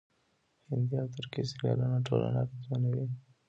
هندي او ترکي سريالونه ټولنه اغېزمنوي.